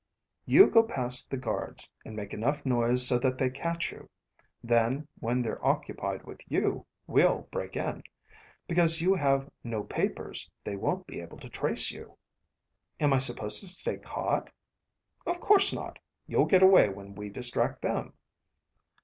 "You go past the guards, and make enough noise so that they catch you. Then, when they're occupied with you, we'll break in. Because you have no papers, they won't be able to trace you." "Am I supposed to stay caught?" "Of course not. You'll get away when we distract them."